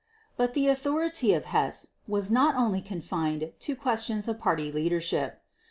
But the authority of Hess was not only confined to questions of Party leadership.